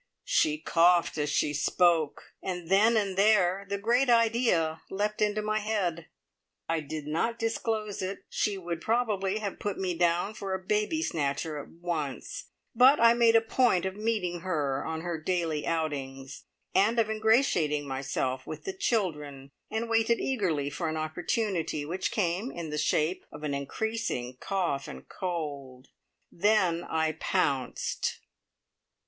She coughed as she spoke, and then and there the great idea leapt into my head. I did not disclose it; she would probably have put me down for a baby snatcher at once; but I made a point of meeting her on her daily outings, and of ingratiating myself with the children, and waited eagerly for an opportunity, which came in the shape of an increasing cough and cold. Then I pounced.